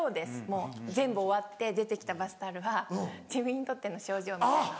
もう全部終わって出て来たバスタオルは自分にとっての賞状みたいな。